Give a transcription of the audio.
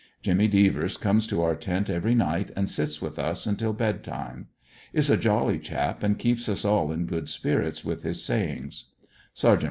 Jimmy Devers comes to our tent every night and sits with us until bed time. Is a jolly chap and keeps us all in good spirits with his sayings. Sergt.